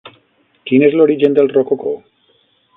Quin és l'origen del rococó?